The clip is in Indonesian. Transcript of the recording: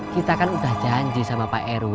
kita kan udah janji sama pak rw